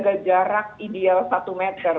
menjaga jarak ideal satu meter